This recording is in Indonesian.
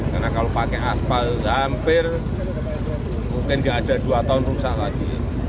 karena kalau pakai asfal hampir mungkin gak ada dua tahun rusak lagi